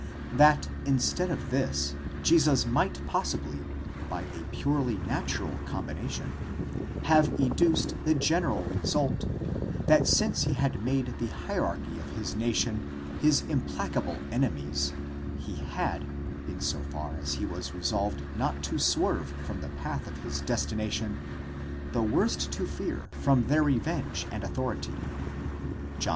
That instead of this, Jesus might possibly, by a purely natural combination, have educed the general result, that since he had made the hierarchy of his nation his implacable enemies, he had, in so far as he was resolved not to swerve from the path of his destination, the worst to fear from their revenge and authority (John x.